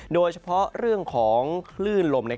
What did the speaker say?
โดยเฉพาะเรื่องของคลื่นลม